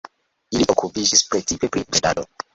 Ili okupiĝis precipe pri bredado.